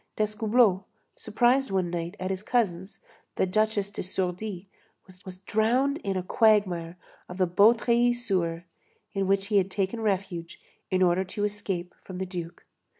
D'Escoubleau, surprised one night at his cousin's, the Duchesse de Sourdis', was drowned in a quagmire of the Beautreillis sewer, in which he had taken refuge in order to escape from the Duke.